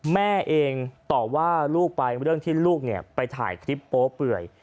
แม่เองต่อว่าลูกไปเรื่องที่ลูกไปถ่ายคลิปโป๊เปื่อย